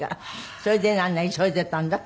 それであんな急いでたんだって